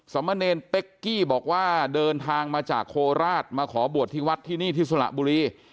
มะเนรเป๊กกี้บอกว่าเดินทางมาจากโคราชมาขอบวชที่วัดที่นี่ที่สระบุรี